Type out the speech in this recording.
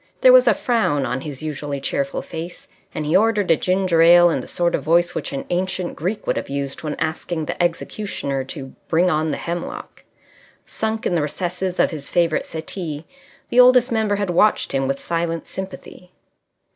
There was a frown on his usually cheerful face, and he ordered a ginger ale in the sort of voice which an ancient Greek would have used when asking the executioner to bring on the hemlock. Sunk in the recesses of his favourite settee the Oldest Member had watched him with silent sympathy.